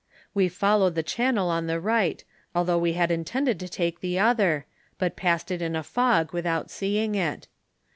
We foUowec! the channel on the right) although we had intended to take ll.^o other, but passed it in a fog without seeing it.